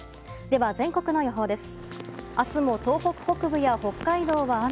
では、全国の予報です。